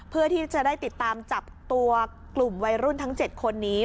เพื่อที่จะได้ติดตามจับตัวกลุ่มวัยรุ่นทั้ง๗คนนี้